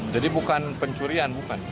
jadi bukan pencurian bukan